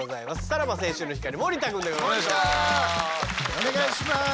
お願いします。